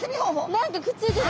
何かくっついてる。